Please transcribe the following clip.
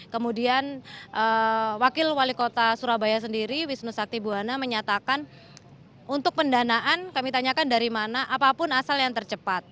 kemudian wakil wali kota surabaya sendiri wisnu sakti buwana menyatakan untuk pendanaan kami tanyakan dari mana apapun asal yang tercepat